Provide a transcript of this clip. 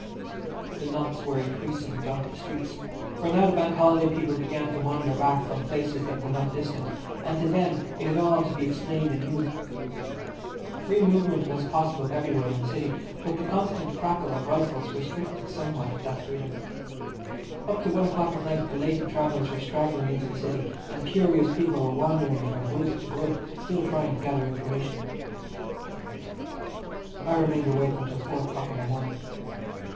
The knots were increasing about the streets, for now the Bank Holiday people began to wander back from places that were not distant, and to them it had all to be explained anew. Free movement was possible everywhere in the City, but the constant crackle of rifles restricted somewhat that freedom. Up to one o'clock at night belated travellers were straggling into the City, and curious people were wandering from group to group still trying to gather information. I remained awake until four o'clock in the morning.